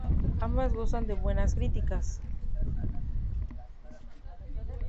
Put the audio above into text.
Ambas gozan de buenas críticas.